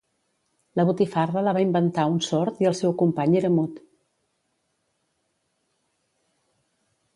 La botifarra la va inventar un sord i el seu company era mut.